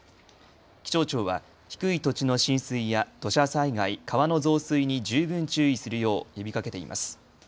気象庁は低い土地の浸水や土砂災害、川の増水に十分注意するよう呼びかけています。